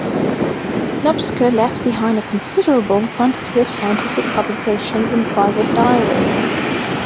Nopcsa left behind a considerable quantity of scientific publications and private diaries.